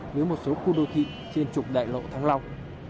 với một số khu đô thị trên trục đại lộ thăng long